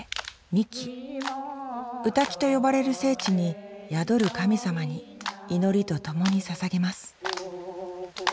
「御嶽」と呼ばれる聖地に宿る神様に祈りとともにささげます